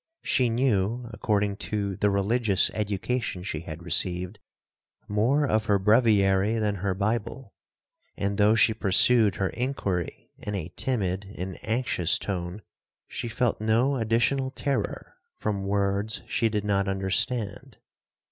She knew, according to the religious education she had received, more of her breviary than her Bible; and though she pursued her inquiry in a timid and anxious tone, she felt no additional terror from words she did not understand.